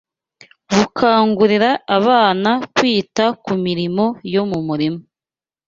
bukangurira abana kwita ku mirimo yo mu murima